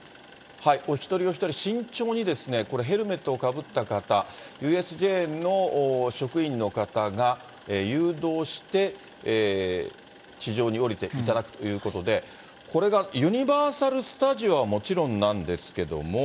お一人お一人慎重にヘルメットをかぶった方、ＵＳＪの職員の方が誘導して、地上に降りていただくということで、これがユニバーサル・スタジオはもちろんなんですけれども。